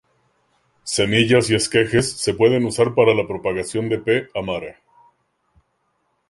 Semillas y esquejes se pueden usar para la propagación de "P. amara".